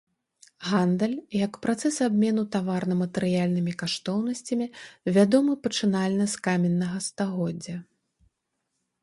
Гандаль, як працэс абмену таварна-матэрыяльнымі каштоўнасцямі, вядомы пачынальна з каменнага стагоддзя.